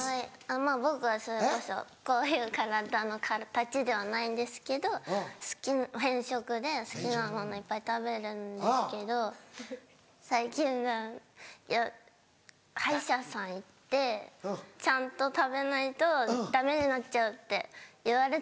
まぁ僕はそれこそこういう体の方たちではないんですけど偏食で好きなものいっぱい食べるんですけど最近は歯医者さん行って「ちゃんと食べないとダメになっちゃう」って言われて。